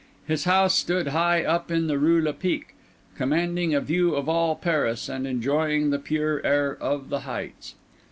His house stood high up in the Rue Lepic, commanding a view of all Paris and enjoying the pure air of the heights.